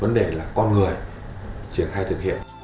vấn đề là con người triển khai thực hiện